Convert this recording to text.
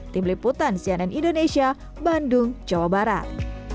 tim liputan cnn indonesia bandung jawa barat